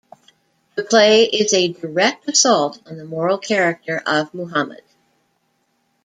The play is a direct assault on the moral character of Muhammad.